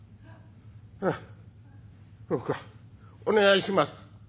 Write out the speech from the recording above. お願いします」。